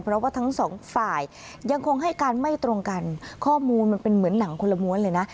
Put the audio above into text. เพราะว่าทั้งสองฝ่ายยังคงให้การไม่ตรงกันข้อมูลมันเป็นเหมือนหนังคนละม้วนเลยนะ